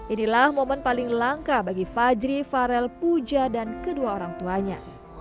inilah momen paling langka bagi fajri farel puja dan kedua orang tuanya